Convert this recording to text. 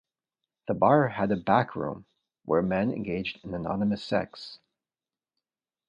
The bar had a backroom where men engaged in anonymous sex.